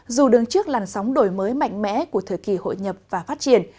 dù đứng trước làn sóng đổi mới mạnh mẽ của thời kỳ hội nhập và phát triển